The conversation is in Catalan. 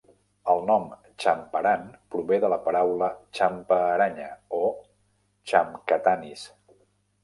El nom Champaran prové de la paraula "champa-aranya" o "champkatanys".